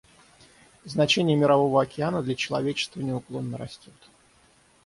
Значение Мирового океана для человечества неуклонно растет.